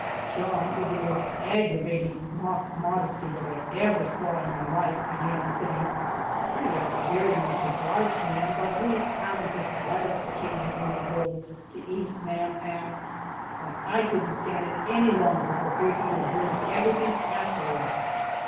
John, with the most aggravating mock modesty that I ever saw in my life, began saying: 'We are very much obleeged, ma'am, but we haven't the slightest occasion in the world to eat, ma'am, and ' when I couldn't stand it any longer for fear he would ruin everything after all.